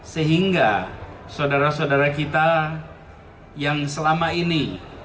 sehingga saudara saudara kita yang selama ini